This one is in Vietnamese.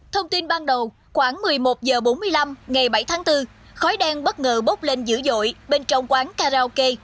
thông tin ban đầu khoảng một mươi một h bốn mươi năm ngày bảy tháng bốn khói đen bất ngờ bốc lên dữ dội bên trong quán karaoke